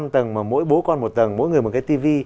năm tầng mà mỗi bố con một tầng mỗi người một cái tv